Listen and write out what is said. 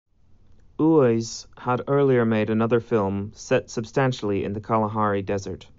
Uys had earlier made another film set substantially in the Kalahari Desert.